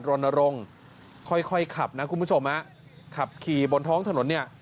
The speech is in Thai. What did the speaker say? โรนรงค่อยขับนะคุณผู้ผู้ชมค่ะขับขี่บนท้องถนดเนี้ย